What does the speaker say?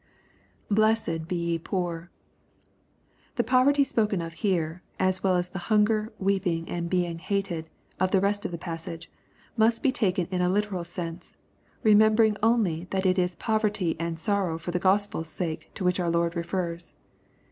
[Blessed he ye poor.] The poverty spoken of here, as well as the hunger, weeping, and being hated, of the rest of the passage, must be taken in a literal sense, remembering only that it is pov erty and sorrow for the Gospel's sake to which our Lord refers.